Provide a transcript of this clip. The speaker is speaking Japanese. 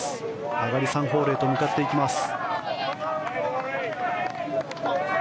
上がり３ホールへと向かっていきます。